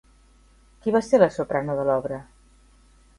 Qui va ser la soprano de l'obra?